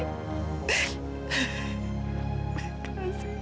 aku udah tua seperti ini